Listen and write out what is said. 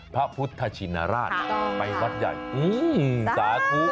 พระพุทธชินราชไปวัดใหญ่สาธารณ์ทุกข์